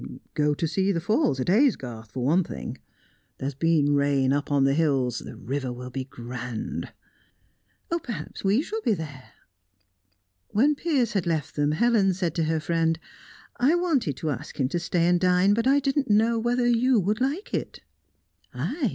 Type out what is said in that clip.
"Go to see the falls at Aysgarth, for one thing. There's been rain up on the hills; the river will be grand." "Perhaps we shall be there." When Piers had left them, Helen said to her friend "I wanted to ask him to stay and dine but I didn't know whether you would like it." "I?